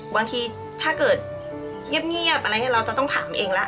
บางทีถ้าเกิดเงียบอะไรเนี่ยเราจะต้องถามเองละ